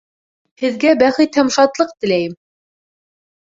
Һеҙгә бәхет һәм шатлыҡ теләйем!